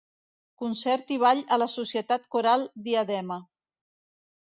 Concert i Ball a la Societat Coral Diadema.